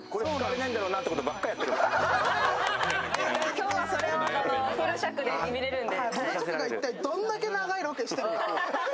今日はそれをフル尺で見られるんで。